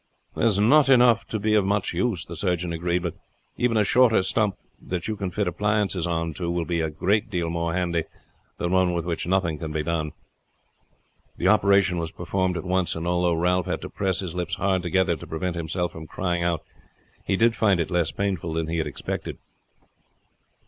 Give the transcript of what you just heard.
"There is not enough to be of much use," the surgeon agreed; "but even a shorter stump that you can fit appliances on to will be a great deal more handy than one with which nothing can be done." The operation was performed at once, and although Ralph had to press his lips hard together to prevent himself from crying out, he did find it less painful than he had expected.